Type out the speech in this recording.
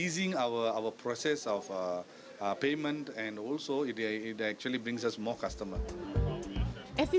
jadi ini mempermudah proses pembayaran kita dan juga membawa lebih banyak pelanggan